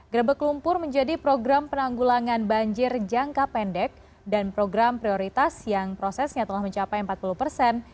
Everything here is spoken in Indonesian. gerebek lumpur menjadi program penanggulangan banjir jangka pendek dan program prioritas yang prosesnya telah mencapai empat puluh persen